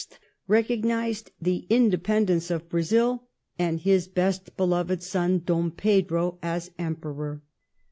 recognized the independence of Brazil, and " his best beloved son Dom Pedro as Emperor